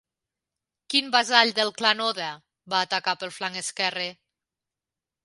Quin vassall del clan Oda va atacar pel flanc esquerre?